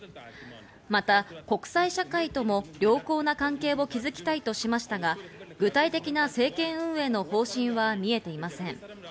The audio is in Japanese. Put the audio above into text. また国際社会とも良好な関係を築きたいとしましたが、具体的な政権運営の方針は見えていません。